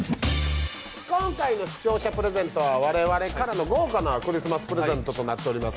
今回の視聴者プレゼントは我々からの豪華なクリスマスプレゼントとなっております。